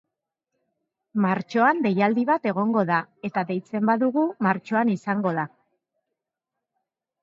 Martxoan deialdi bat egongo da, eta deitzen badugu martxoan izango da.